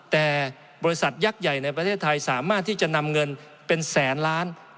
แต่บริษัทยักษ์ใหญ่ในประเทศไทยสามารถที่จะนำเงินเป็นแสนล้าน